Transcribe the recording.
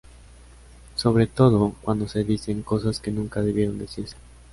Sobre todo cuando se dicen cosas que nunca debieron decirse.